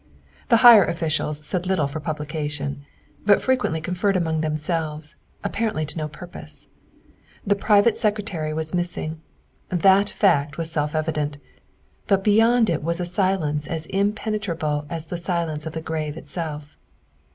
The higher officials said little for publication, but frequently conferred among themselves, apparently to no purpose. The private secretary was missing; that fact was self evident, but beyond it was a silence as impenetrable as the silence of the grave itself.